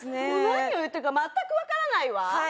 何を言ってるか全く分からないわ